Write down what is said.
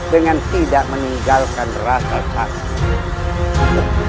dengan tidak meninggalkan rasa takut